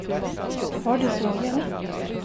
Har du sågen?